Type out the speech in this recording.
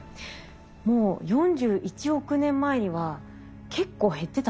もう４１億年前には結構減ってたんですね。